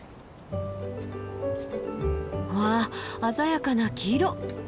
わあ鮮やかな黄色。